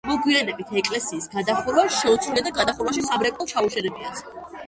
მოგვიანებით ეკლესიის გადახურვა შეუცვლიათ და გადახურვაში სამრეკლო ჩაუშენებიათ.